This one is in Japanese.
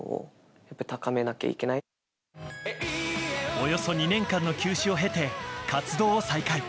およそ２年間の休止を経て活動を再開。